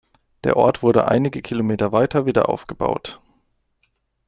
Der Ort wurde einige Kilometer weiter wieder aufgebaut.